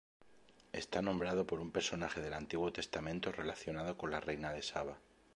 Está nombrado por un personaje del Antiguo Testamento relacionado con la reina de Saba.